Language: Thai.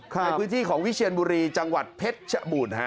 ในพื้นที่ของวิเชียนบุรีจังหวัดเพชรชบูรณ์